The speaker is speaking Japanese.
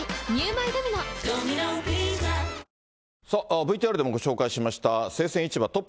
ＶＴＲでもご紹介しました、生鮮市場ＴＯＰ！